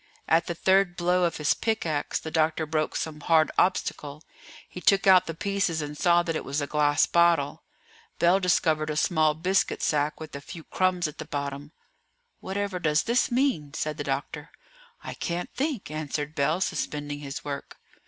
At the third blow of his pickaxe the doctor broke some hard obstacle; he took out the pieces and saw that it was a glass bottle; Bell discovered a small biscuit sack with a few crumbs at the bottom. "Whatever does this mean?" said the doctor. "I can't think," answered Bell, suspending his work.